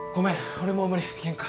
俺もう無理限界